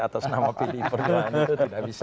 atas nama pdi perjuangan itu tidak bisa